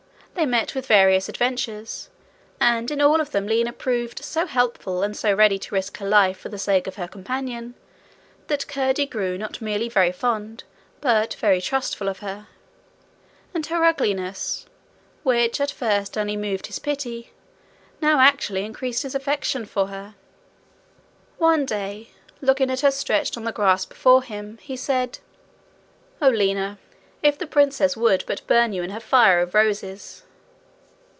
They met with various adventures, and in all of them Lina proved so helpful, and so ready to risk her life for the sake of her companion, that Curdie grew not merely very fond but very trustful of her; and her ugliness, which at first only moved his pity, now actually increased his affection for her. One day, looking at her stretched on the grass before him, he said: 'Oh, Lina! If the princess would but burn you in her fire of roses!'